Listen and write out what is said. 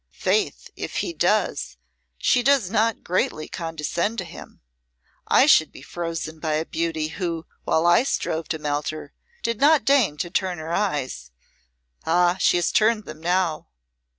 "Faith, if he does, she does not greatly condescend to him. I should be frozen by a beauty who, while I strove to melt her, did not deign to turn her eyes. Ah, she has turned them now.